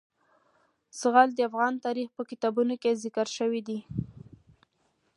زغال د افغان تاریخ په کتابونو کې ذکر شوی دي.